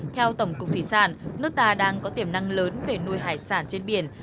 theo tổng cục thủy sản nước ta đang có tiềm năng lớn về nuôi hải sản trên biển